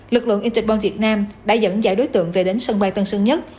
lực lượng interpol việt nam đã dẫn dải đối tượng về đến sân bay tân sơn nhất